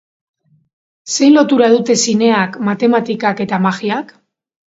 Zein lotura dute zineak, matematikak eta magiak?